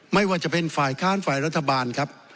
ไม่ว่าจะเป็นฝ่ายค้านฝ่ายรัฐบาลครับ